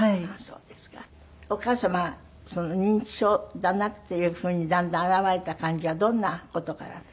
お母様は認知症だなっていう風にだんだん表れた感じはどんな事から？